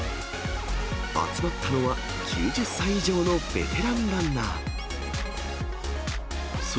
集まったのは、９０歳以上のベテランランナー。